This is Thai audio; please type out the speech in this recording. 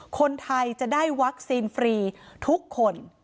คนไทยจะได้วัคซีนฟรีทุกคน